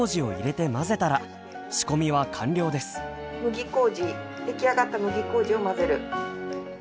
麦麹出来上がった麦麹を混ぜる。